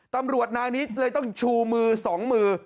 ตำรวจนายนี้เลยต้องชูมือ๒มือ